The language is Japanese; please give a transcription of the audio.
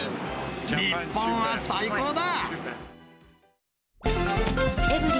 日本は最高だ。